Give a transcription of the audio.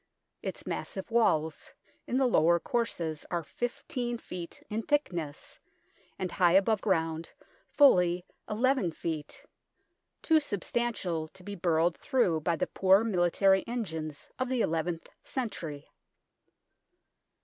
Its massive walls in the lower courses are 15 ft. in thickness, and high above ground fully n ft. too substantial to be burrowed through by the poor military engines of the eleventh cen tury.